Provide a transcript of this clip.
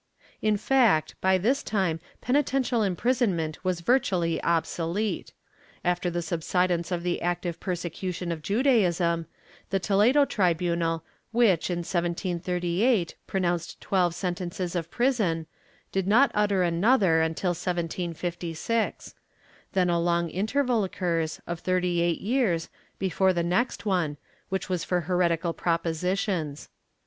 ^ In fact, by this time penitential imprisonment was virtually obsolete. After the subsidence of the active persecution of Juda ism, the Toledo tribunal which, in 1738, pronounced twelve sen tences of prison, did not utter another until 1756. Then a long interval occurs, of thirty eight years, before the next one, which was for heretical propositions.